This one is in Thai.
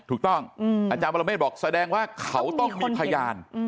ถูกต้องอาจารย์ประโลเมฆบอกแสดงว่าเขาต้องมีพยาน